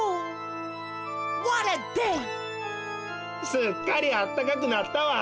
すっかりあったかくなったわ！